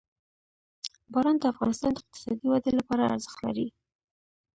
باران د افغانستان د اقتصادي ودې لپاره ارزښت لري.